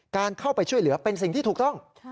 การเข้าไปช่วยเหลือเป็นสิ่งที่ถูกต้อง